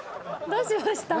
どうしました？